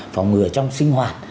phòng ngừa trong sinh hoạt